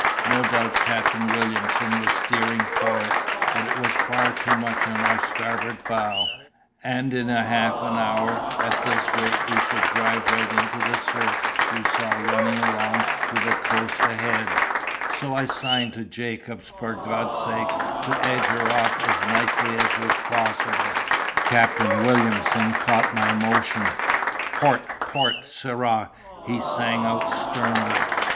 No doubt Captain Williamson was steering for it; but it was far too much on our starboard bow, and in half an hour at this rate we should drive right into the surf you saw running along to the coast ahead—so I signed to Jacob for God's sake to edge her off as nicely as was possible. "Captain Williamson caught my motion. 'Port! port, sirrah!' he sang out sternly.